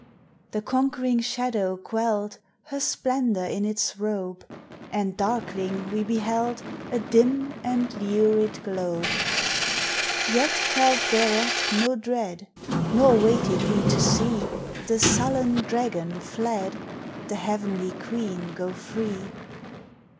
The conquering shadow quell'd Her splendour in its robe: And darkling we beheld A dim and lurid globe; Yet felt thereat no dread, Nor waited we to see The sullen dragon fled, The heav'nly Queen go free.